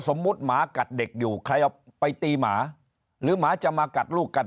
สมมุติหมากัดเด็กอยู่ใครเอาไปตีหมาหรือหมาจะมากัดลูกกัน